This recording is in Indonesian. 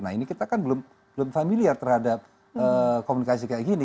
tapi kita belum familiar terhadap komunikasi kayak gini